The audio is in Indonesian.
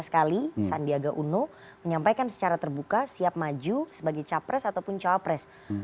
lima belas kali sandiaga uno menyampaikan secara terbuka siap maju sebagai capres ataupun cowapres